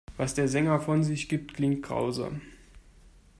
Was der Sänger von sich gibt, klingt grausam.